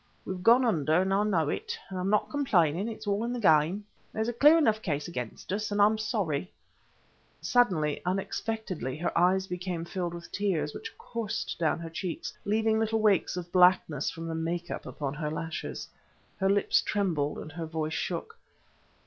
We have gone under, and I know it. I am not complaining; it's all in the game. There's a clear enough case against us, and I am sorry" suddenly, unexpectedly, her eyes became filled with tears, which coursed down her cheeks, leaving little wakes of blackness from the make up upon her lashes. Her lips trembled, and her voice shook.